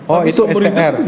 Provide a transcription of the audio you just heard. oh itu str